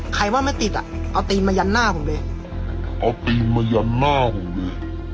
ใครว่าไม่ติดอ่ะเอาตีนมายันหน้าผมเลยเอาตีนมายันหม้อผมอีก